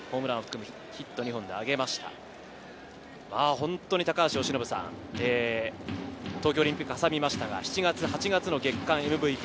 本当に東京オリンピックを挟みましたが、７月・８月の月間ＭＶＰ。